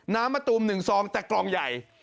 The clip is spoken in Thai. มะตูม๑ซองแต่กล่องใหญ่